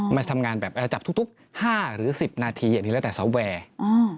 อ๋อมันจะทำงานแบบเราจับทุก๕หรือ๑๐นาทีอย่างนี้แล้วแต่ซอฟต์แวร์